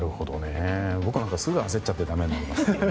僕なんかはすぐ焦っちゃってだめになります。